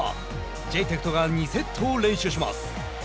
ジェイテクトが２セットを連取します。